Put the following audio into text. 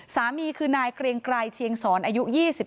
สามีคือนายเกรียงไกรเชียงสอนอายุ๒๓